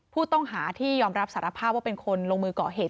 ผู้ต้องหาที่ยอมรับสารภาพว่าเป็นคนลงมือก่อเหตุ